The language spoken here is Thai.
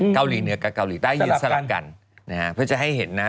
เกาหลีเหนือกับเกาหลีใต้ยืนสลับกันนะฮะเพื่อจะให้เห็นนะ